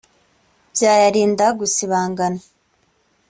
byayarinda gusibangana